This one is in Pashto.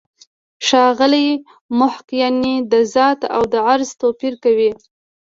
ښاغلی محق د «ذات» او «عرض» توپیر کوي.